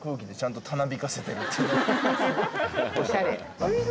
おしゃれ。